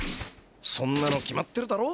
そんなの決まってるだろ